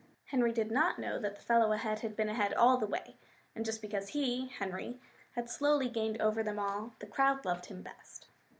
Henry did not know that the fellow ahead had been ahead all the way, and just because he Henry had slowly gained over them all, the crowd loved him best.